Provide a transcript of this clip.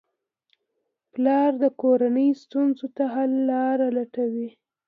پلار د کورنۍ ستونزو ته حل لارې لټوي.